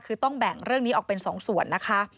คือต้องแบ่งเรื่องนี้ออกเป็น๒ส่วนนะคะ